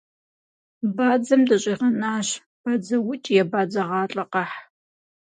Бадзэм дыщӏигъэнащ, бадзэукӏ е бадзэгъалӏэ къэхь.